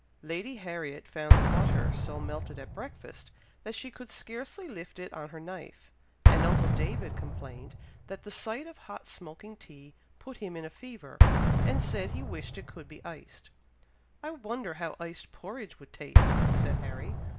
Lady Harriet found the butter so melted at breakfast, that she could scarcely lift it on her knife; and uncle David complained that the sight of hot smoking tea put him in a fever, and said he wished it could be iced. "I wonder how iced porridge would taste!" said Harry.